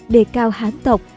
đề cao hán tộc